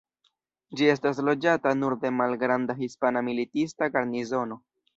Ĝi estas loĝata nur de malgranda hispana militista garnizono.